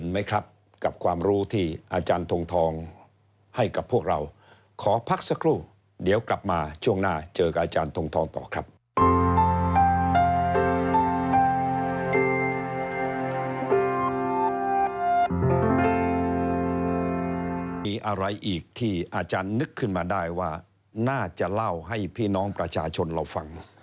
มีอะไรอีกที่อาจารย์นึกขึ้นมาได้ว่าน่าจะเล่าให้พี่น้องประชาชนเราฟัง